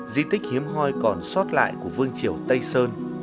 di tích hiếm hoi còn sót lại của vương triều tây sơn